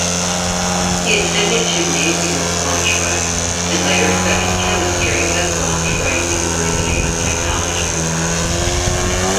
He attended gymnasium in Braunschweig and later studied chemistry at Braunschweig University of Technology.